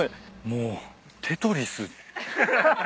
もうテトリス。